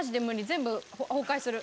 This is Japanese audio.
全部崩壊する。